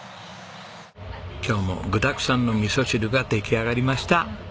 今日も具だくさんのみそ汁が出来上がりました。